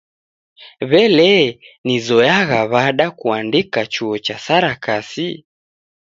W'elee nizoyagha w'ada kuandika chuo cha sarakasi?